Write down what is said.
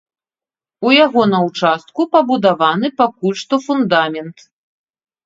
У яго на ўчастку пабудаваны пакуль што фундамент.